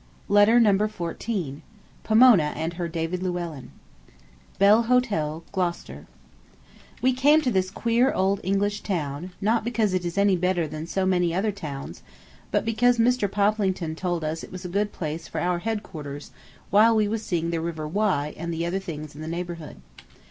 Letter Number Fourteen BELL HOTEL, GLOUCESTER We came to this queer old English town, not because it is any better than so many other towns, but because Mr. Poplington told us it was a good place for our headquarters while we was seeing the River Wye and other things in the neighborhood.